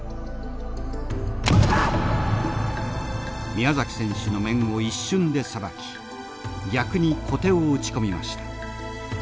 宮崎選手の面を一瞬でさばき逆に小手を打ち込みました。